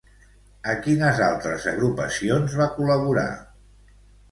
A quines altres agrupacions va col·laborar?